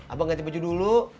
abang ganti baju dulu